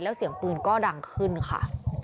แล้วเสียงปืนก็ดังขึ้นค่ะ